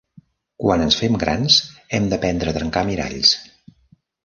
Quan ens fem grans, hem d'aprendre a trencar miralls.